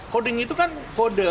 coding itu kan kode